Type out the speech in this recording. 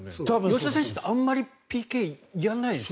吉田選手ってあんまりＰＫやらないですよね。